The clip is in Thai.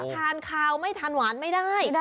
ทานคาวไม่ทานหวานไม่ได้